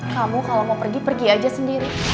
kamu kalau mau pergi pergi aja sendiri